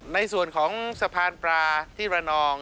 ในส่วนของสะพานปลาที่ระนอง